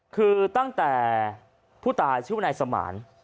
คือตั้งแต่ผู้ตายชื่อว่านายสมาน